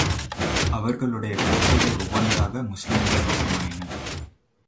அவர்களுடைய கோட்டைகள் ஒவ்வொன்றாக முஸ்லிம்கள் வசமாயின.